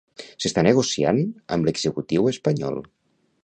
S'està negociant amb l'executiu espanyol.